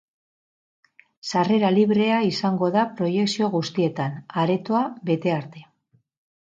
Sarrera librea izango da proiekzio guztietan, aretoa bete arte.